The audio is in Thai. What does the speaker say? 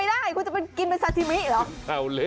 ได้คุณจะไปกินเป็นซาซิมิเหรอ